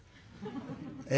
ええ。